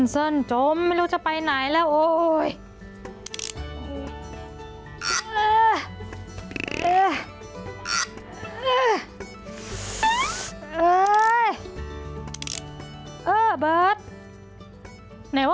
เส้นจมไม่รู้จะไปไหนแล้วโอ๊ย